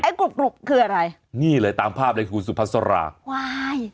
กรุบกรุบคืออะไรนี่เลยตามภาพเลยคุณสุพัสราว้าย